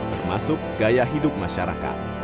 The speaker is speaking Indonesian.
termasuk gaya hidup masyarakat